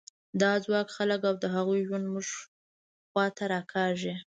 دا ځواک خلک او د هغوی ژوند موږ خوا ته راکاږي.